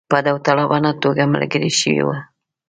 په داوطلبانه توګه ملګري شوي وه.